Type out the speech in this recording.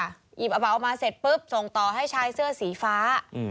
หยิบกระเป๋ามาเสร็จปุ๊บส่งต่อให้ชายเสื้อสีฟ้า